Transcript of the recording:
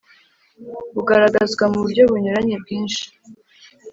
bugaragazwa mu buryo bunyuranye bwinshi